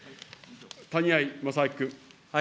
谷合正明君。